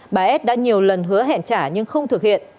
bà s đã nhiều lần hứa hẹn trả nhưng không thực hiện